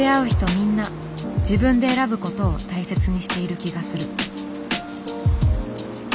みんな自分で選ぶことを大切にしている気がする。